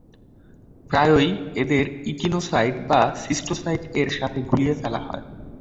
প্রায়ই এদের ইকিনোসাইট বা সিস্টোসাইটের সাথে গুলিয়ে ফেলা হয়।